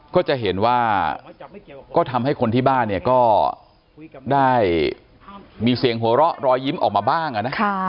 ก็จะเห็นว่าก็ทำให้คนที่บ้านเนี่ยก็ได้มีเสียงหัวเราะรอยยิ้มออกมาบ้าง